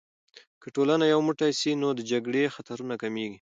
که ټولنه یو موټی سي، نو د جګړې خطرونه کمېږي.